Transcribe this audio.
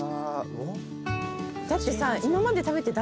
だってさ。